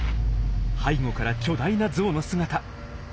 背後から巨大なゾウの姿。